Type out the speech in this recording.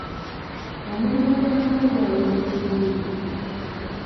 Omulimu gwa Kato gwawedde bulungi?